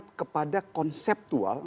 berkiblat pada konseptual